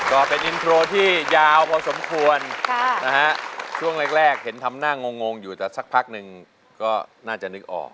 ก็เป็นอินโทรที่ยาวพอสมควรช่วงแรกเห็นทำหน้างงอยู่แต่สักพักหนึ่งก็น่าจะนึกออก